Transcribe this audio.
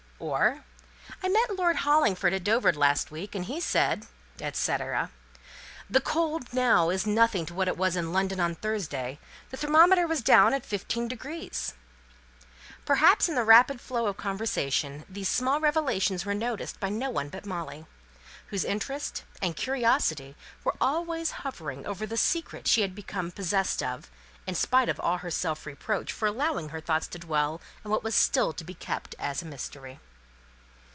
Or, "I met Lord Hollingford at Dover last week, and he said," &c. "The cold now is nothing to what it was in London on Thursday the thermometer was down at 15 ." Perhaps, in the rapid flow of conversation, these small revelations were noticed by no one but Molly; whose interest and curiosity were always hovering over the secret she had become possessed of, in spite of all her self reproach for allowing her thoughts to dwell on what was still to be kept as a mystery.